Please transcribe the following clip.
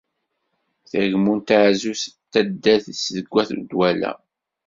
Tagmunt azuz taddart seg At Dwala.